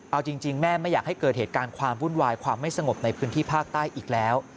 เอาจริงแม่ไม่อยากให้เกิดเหตุการณ์ความวุ่นวายความไม่สงบในพื้นที่ภาคใต้อีกแล้ว